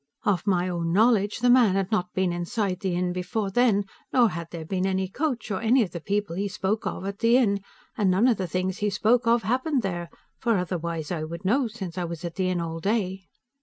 Of my own knowledge, the man had not been inside the inn before then, nor had there been any coach, or any of the people he spoke of, at the inn, and none of the things he spoke of happened there, for otherwise I would know, since I was at the inn all day.